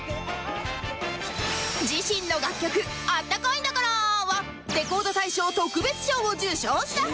自身の楽曲『あったかいんだからぁ』はレコード大賞特別賞を受賞したほど